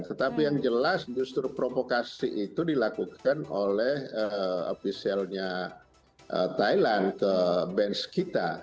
tetapi yang jelas justru provokasi itu dilakukan oleh ofisialnya thailand ke bench kita